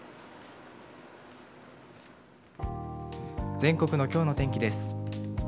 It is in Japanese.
全国の今日の天気です。